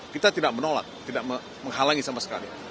kita tidak menolak tidak menghalangi sama sekali